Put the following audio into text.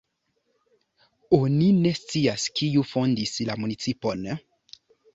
Oni ne scias kiu fondis la municipon.